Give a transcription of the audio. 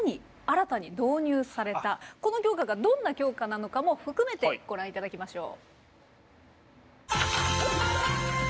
この教科がどんな教科なのかも含めてご覧いただきましょう。